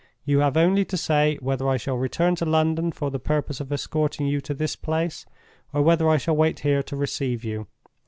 You have only to say whether I shall return to London for the purpose of escorting you to this place, or whether I shall wait here to receive you.